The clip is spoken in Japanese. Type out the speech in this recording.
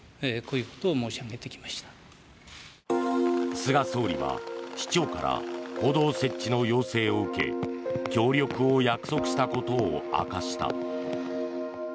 菅総理は市長から歩道設置の要請を受け協力を約束したことを明かした。